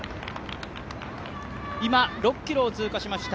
今、６ｋｍを通過しました。